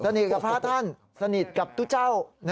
สนิทกับพระท่านสนิทกับทุกเจ้า